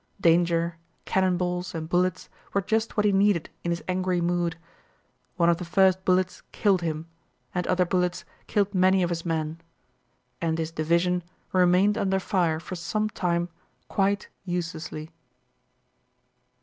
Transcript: Danger, cannon balls, and bullets were just what he needed in his angry mood. One of the first bullets killed him, and other bullets killed many of his men. And his division remained under fire for some time quite uselessly.